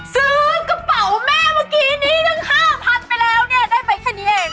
ซื้อกระเป๋าแม่เมื่อกี้นี้ตั้ง๕๐๐๐ไปแล้วเนี่ยได้ไปแค่นี้เอง